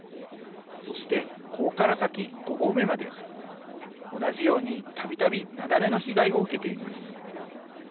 そしてここから先、５合目まで同じようにたびたび雪崩の被害を受けています。